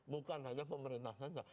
bukan hanya pemerintah saja